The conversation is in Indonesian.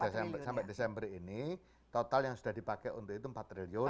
sampai desember ini total yang sudah dipakai untuk itu empat triliun